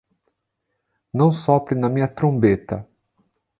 Não sopre na minha trombeta.